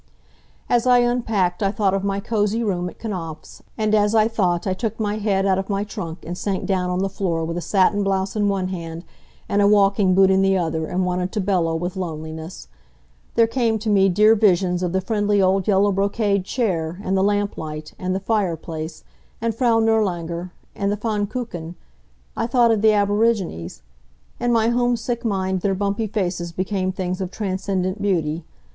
As I unpacked I thought of my cosy room at Knapfs', and as I thought I took my head out of my trunk and sank down on the floor with a satin blouse in one hand, and a walking boot in the other, and wanted to bellow with loneliness. There came to me dear visions of the friendly old yellow brocade chair, and the lamplight, and the fireplace, and Frau Nirlanger, and the Pfannkuchen. I thought of the aborigines. In my homesick mind their bumpy faces became things of transcendent beauty.